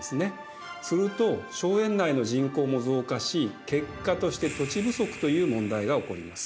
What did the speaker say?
すると荘園内の人口も増加し結果として土地不足という問題が起こります。